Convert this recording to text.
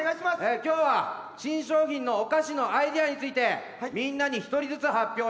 今日は新商品のお菓子のアイデアについてみんなに一人ずつ発表してもらう。